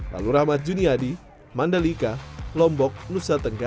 lalu rahmat juniadi mandalika lombok nusa tenggara